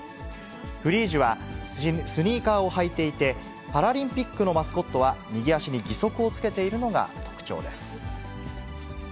フリージュはスニーカーを履いていて、パラリンピックのマスコットは、右足に義足をつけているのが特徴です。